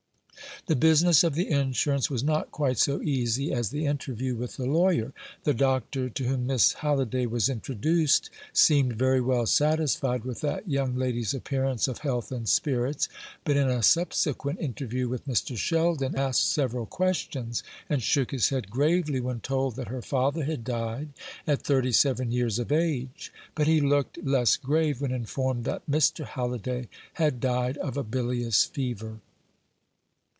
The business of the insurance was not quite so easy as the interview with the lawyer. The doctor to whom Miss Halliday was introduced seemed very well satisfied with that young lady's appearance of health and spirits, but in a subsequent interview with Mr. Sheldon asked several questions, and shook his head gravely when told that her father had died at thirty seven years of age. But he looked less grave when informed that Mr. Halliday had died of a bilious fever.